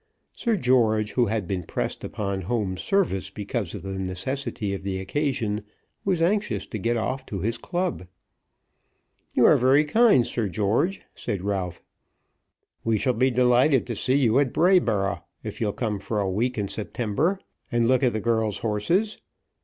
Sir George, who had been pressed upon home service because of the necessity of the occasion, was anxious to get off to his club. "You are very kind, Sir George," said Ralph. "We shall be delighted to see you at Brayboro', if you'll come for a week in September and look at the girls' horses.